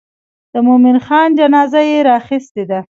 د مومن خان جنازه یې راخیستې ده.